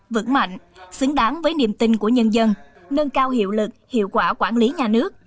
vững mạnh xứng đáng với niềm tin của nhân dân nâng cao hiệu lực hiệu quả quản lý nhà nước